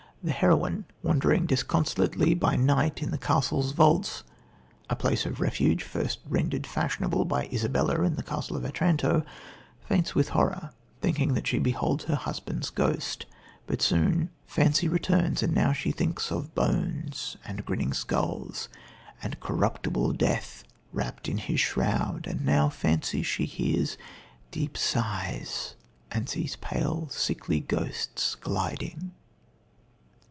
The heroine, wandering disconsolately by night in the castle vaults a place of refuge first rendered fashionable by Isabella in The Castle of Otranto faints with horror, thinking that she beholds her husband's ghost, but soon: "Fancy returns, and now she thinks of bones And grinning skulls and corruptible death Wrapped in his shroud; and now fancies she hears Deep sighs and sees pale, sickly ghosts gliding."